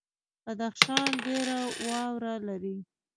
بدخشان ډیره واوره لري